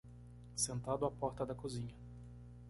Sentado à porta da cozinha